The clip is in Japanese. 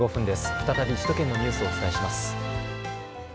再び首都圏のニュースをお伝えします。